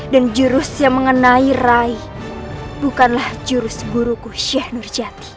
dan jurus yang mengenai rais bukanlah jurus guruku syekh nurjati